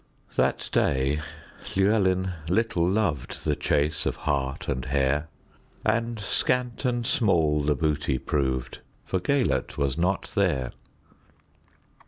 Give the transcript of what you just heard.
That day Llewelyn little lovedThe chase of hart and hare; And scant and small the booty proved, For Gêlert was not there.